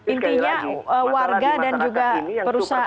intinya warga dan juga perusahaan